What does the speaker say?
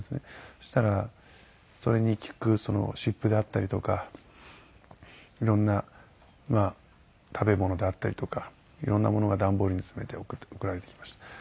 そしたらそれに効く湿布であったりとか色んな食べ物であったりとか色んなものが段ボールに詰めて送られてきました。